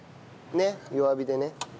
ねっ弱火でね。